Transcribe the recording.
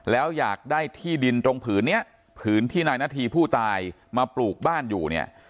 แล้วอยากได้ที่ดินตรงผืนนี้ผืนที่นายนาธีผู้ตายมาปลูกบ้านอยู่เนี่ย